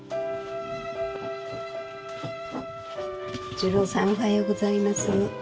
二郎さんおはようございます。